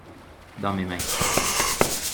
Dans mes mains.